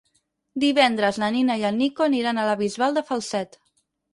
Divendres na Nina i en Nico aniran a la Bisbal de Falset.